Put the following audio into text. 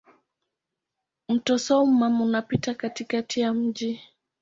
Mto Soummam unapita katikati ya mji.